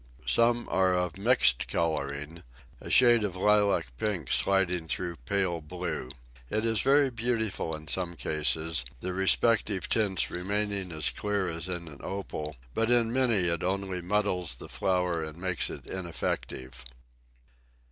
Some are of mixed colouring, a shade of lilac pink sliding through pale blue. It is very beautiful in some cases, the respective tints remaining as clear as in an opal, but in many it only muddles the flower and makes it ineffective.